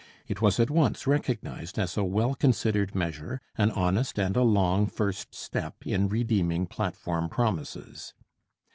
It was at once recognized as a well considered measure, an honest and a long first step in redeeming platform promises.